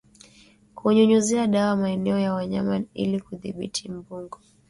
Kunyunyiza dawa maeneo ya wanyama ili kudhibiti mbungo